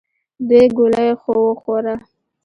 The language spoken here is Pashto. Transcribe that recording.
دوې ګولې خو وخوره !